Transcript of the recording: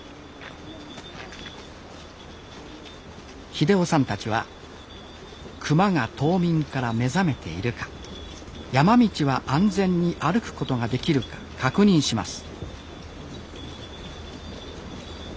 英雄さんたちは熊が冬眠から目覚めているか山道は安全に歩くことができるか確認します